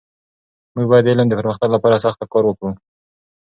موږ باید د علم د پرمختګ لپاره سخته کار وکړو.